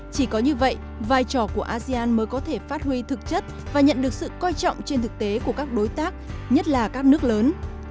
chỉ có như vậy vai trò của asean mới có thể phát huy thực chất và nhận được sự coi trọng trên thực tế của các đối tác nhất là các nước lớn